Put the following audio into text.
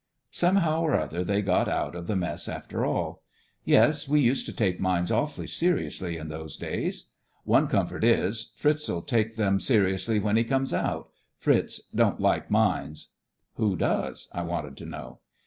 Somehow or other they got out of the mess after all. "Yes, we used to take mines awfully seriously in those days. One comfort is, Fritz'U take 96 THE FRINGES OF THE FLEET them seriously when he comes out. Fritz don't like mines." " Who does? " I wanted to know.